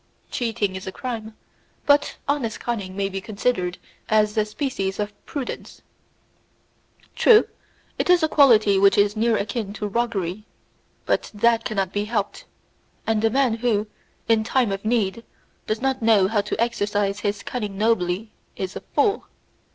Cheating is a crime, but honest cunning may be considered as a species of prudence. True, it is a quality which is near akin to roguery; but that cannot be helped, and the man who, in time of need, does not know how to exercise his cunning nobly is a fool.